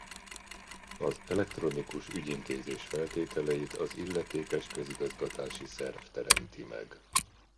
Az elektronikus ügyintézés feltételeit az illetékes közigazgatási szerv teremti meg.